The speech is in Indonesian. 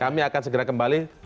kami akan segera kembali